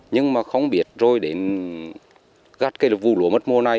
nhưng mà không biết rồi đến gắt cái vụ lúa mất mùa này